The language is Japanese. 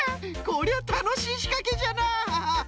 こりゃたのしいしかけじゃな！